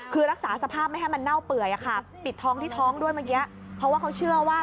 คือรักษาสภาพไม่ให้มันเน่าเปื่อยปิดท้องที่ท้องด้วยเมื่อกี้เพราะว่าเขาเชื่อว่า